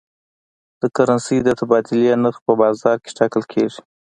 د کرنسۍ د تبادلې نرخ په بازار کې ټاکل کېږي.